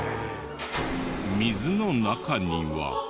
水の中には。